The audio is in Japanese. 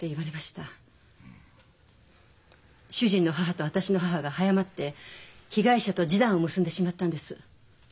主人の母と私の母が早まって被害者と示談を結んでしまったんです。